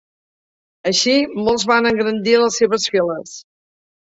Així, molts van engrandir les seves files.